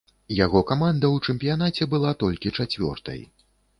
Яго каманда ў чэмпіянаце была толькі чацвёртай.